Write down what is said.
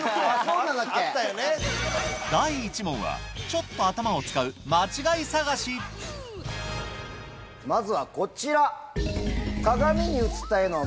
ちょっと頭を使うまずはこちら！